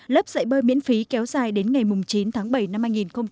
lớp dạy bơi miễn phí kéo dài đến ngày chín tháng bảy năm hai nghìn một mươi bảy